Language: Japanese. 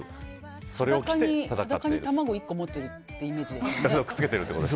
裸に卵１個持ってるイメージですか。